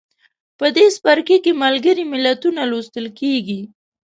په دې څپرکي کې ملګري ملتونه لوستل کیږي.